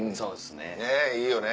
ねっいいよね